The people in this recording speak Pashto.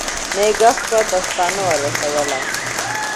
نه یې ږغ سوای تر شپانه ور رسولای